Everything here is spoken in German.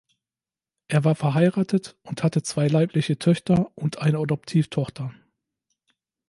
Er war verheiratet und hatte zwei leibliche Töchter und eine Adoptivtochter.